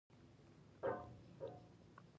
غر چی هر څومره لوړ دي په سر یي لار وي .